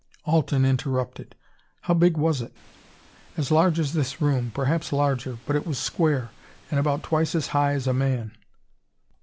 Alten interrupted. "How big was it?" "As large as this room; perhaps larger. But it was square, and about twice as high as a man."